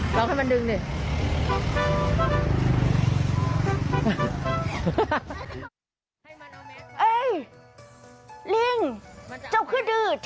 ลองให้มันดึงดิ